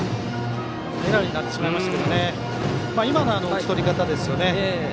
エラーになってしまいましたけど今のは、いい打ち取り方ですね。